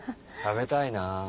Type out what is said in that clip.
食べたいなぁ。